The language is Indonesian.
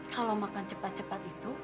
kalau makan cepat cepat itu